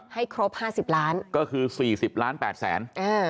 ให้ครบ๕๐ล้านก็คือ๔๐ล้าน๘แสน